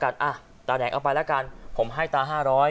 ตะแหน้งเอาไปซะผมให้ตา๕๐๐